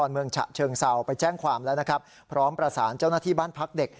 เมืองฉะเชิงเซาไปแจ้งความแล้วนะครับพร้อมประสานเจ้าหน้าที่บ้านพักเด็ก